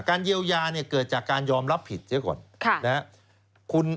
การเยียวยาเนี่ยเกิดจากการยอมรับผิดเดี๋ยวก่อน